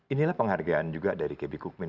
inilah penghargaan juga dari kb kukmin